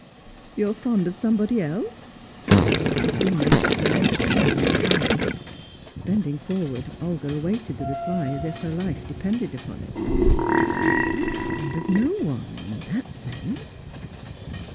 "You are fond of somebody else?" It was between an exclamation and an inquiry. Bending forward, Olga awaited the reply as if her life depended upon it. "I am fond of no one in that sense."